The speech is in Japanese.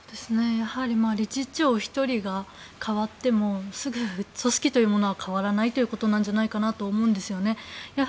理事長１人が代わってもすぐ組織というものは変わらないということなんじゃないかなと思うんですね。